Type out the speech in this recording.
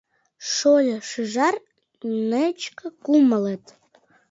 Шольо-шӱжар — нечке кумылет.